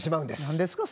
何ですか？